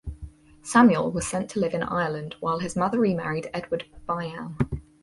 Samuel was sent to live in Ireland while his mother remarried Edward Byam.